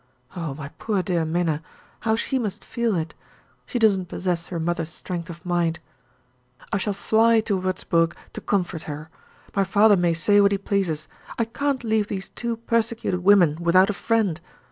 Oh, my poor dear Minna! how she must feel it; she doesn't possess her mother's strength of mind. I shall fly to Wurzburg to comfort her. My father may say what he pleases; I can't leave these two persecuted women without a friend.